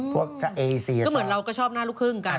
พวกเอเซียก็เหมือนเราก็ชอบหน้าลูกครึ่งกัน